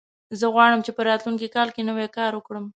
زه غواړم چې په راتلونکي کال کې نوی کار وکړم